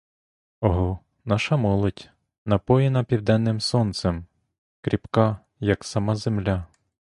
Ого, наша молодь, напоєна південним сонцем, кріпка, як сама земля.